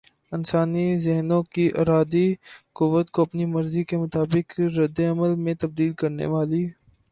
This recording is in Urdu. انسانی ذہنوں کی ارادی قوت کو اپنی مرضی کے مطابق ردعمل میں تبدیل کرنے والی